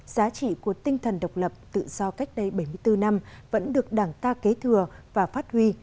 giá trị của tinh thần độc lập tự do cách đây bảy mươi bốn năm vẫn được đảng ta kế thừa và phát huy